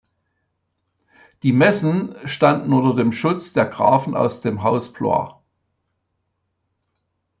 Die Messen standen unter dem Schutz der Grafen aus dem Haus Blois.